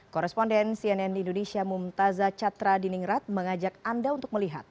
korresponden cnn indonesia mumtazah chatra di ningrat mengajak anda untuk melihat